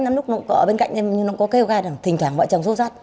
năm lúc nó ở bên cạnh em nó có kêu gai là thỉnh thoảng mọi chồng xô xát